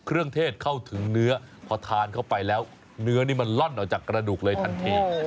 ร้านเข้าไปแล้วเนื้อนี่มันล่อนออกจากกระดูกเลยทันที